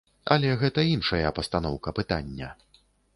Але гэта іншая пастаноўка пытання.